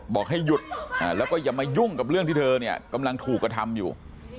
บอกให้หยุดแล้วก็อย่ามายุ่งกับเรื่องที่เธอเนี่ยกำลังถูกกระทำอยู่